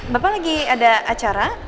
bapak lagi ada acara